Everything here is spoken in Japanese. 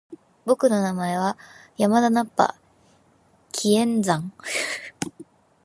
僕の名前は山田ナッパ！気円斬！